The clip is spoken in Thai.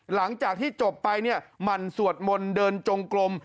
หลังจากที่จบไปเนี่ยหมั่นสวดมนต์เดินจงกลม